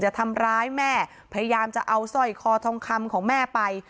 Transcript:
ทำร้ายแม่พยายามจะเอาสร้อยคอทองคำของแม่ไป